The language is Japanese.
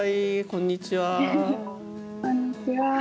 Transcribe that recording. こんにちは。